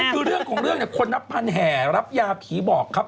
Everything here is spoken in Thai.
คือเรื่องของเรื่องเนี่ยคนนับพันแห่รับยาผีบอกครับ